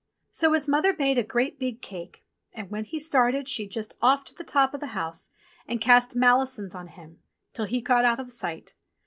So his mother made a great big cake, and when he started she just off to the top of the house and cast malisons on him, till he got out of sight.